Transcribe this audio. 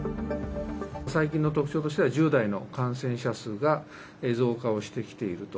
最近の特徴としては、１０代の感染者数が増加をしてきていると。